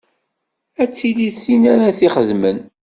Ad tili tin ara t-ixedmen.